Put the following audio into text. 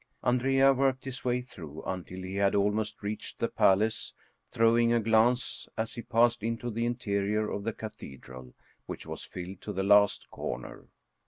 Andrea worked his way through until he had almost reached the palace, throwing a glance as he passed into the interior of the cathedral, which was filled to the last corner.